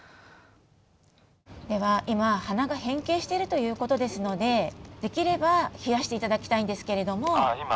では今鼻が変形してるということですのでできれば冷やして頂きたいんですけれども。